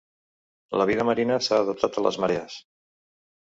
La vida marina s'ha adaptat a les marees.